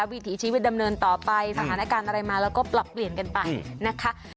วิถีชีวิตดำเนินต่อไปสถานการณ์อะไรมาแล้วก็ปรับเปลี่ยนกันไปนะคะ